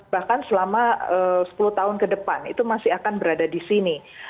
bahkan selama sepuluh tahun ke depan itu masih akan berada di sini